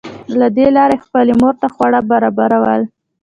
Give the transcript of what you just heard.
له دې لارې یې خپلې مور ته خواړه برابرول